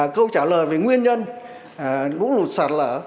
câu trả lời về nguyên nhân lũ lụt sạt lở